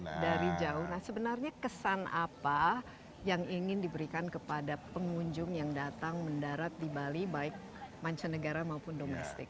nah dari jauh nah sebenarnya kesan apa yang ingin diberikan kepada pengunjung yang datang mendarat di bali baik mancanegara maupun domestik